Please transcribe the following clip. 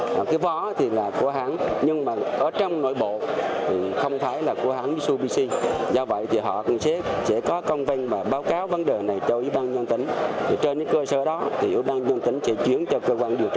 cái vỏ thì là của hãng nhưng mà ở trong nội bộ thì không phải là của hãng mitsubishi